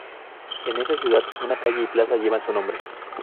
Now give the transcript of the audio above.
En esa ciudad, una calle y plaza llevan su nombre.